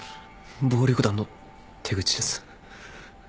暴力団の手口です。